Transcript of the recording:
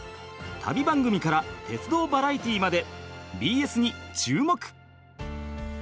旅番組から鉄道バラエティーまでＢＳに注目！